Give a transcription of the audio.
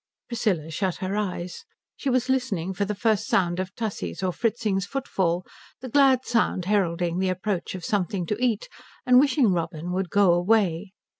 Priscilla shut her eyes. She was listening for the first sound of Tussie's or Fritzing's footfall, the glad sound heralding the approach of something to eat, and wishing Robin would go away.